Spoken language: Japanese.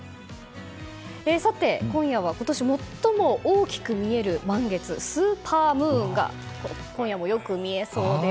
さて今夜は今年最も大きく見える満月スーパームーンが今夜もよく見えそうです。